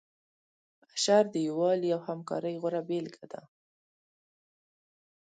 اشر د یووالي او همکارۍ غوره بیلګه ده.